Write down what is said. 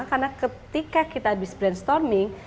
karena ketika kita habis brainstorming